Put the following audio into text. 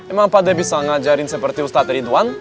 emang pada bisa ngajarin seperti ustadz ridwan